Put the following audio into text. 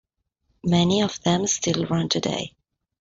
Many of them still run today.